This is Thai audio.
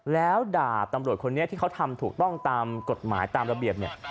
แล้วดาบตำรวจคนนี้ที่เขาทำถูกต้องตามกฎหมายตามระเบียบเนี่ย